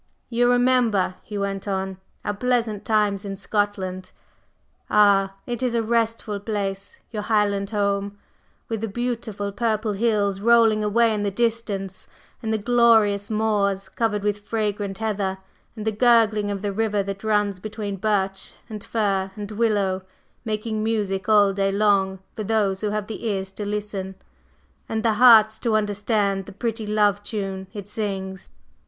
"You remember," he went on, "our pleasant times in Scotland? Ah, it is a restful place, your Highland home, with the beautiful purple hills rolling away in the distance, and the glorious moors covered with fragrant heather, and the gurgling of the river that runs between birch and fir and willow, making music all day long for those who have the ears to listen, and the hearts to understand the pretty love tune it sings!